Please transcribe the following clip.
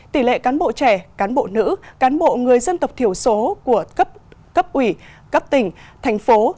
tỷ lệ cán bộ trẻ cán bộ nữ cán bộ người dân tộc thiểu số của cấp ủy cấp tỉnh thành phố